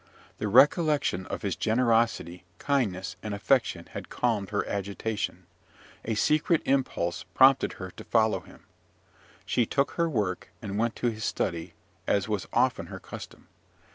The recollection of his generosity, kindness, and affection had calmed her agitation: a secret impulse prompted her to follow him; she took her work and went to his study, as was often her custom.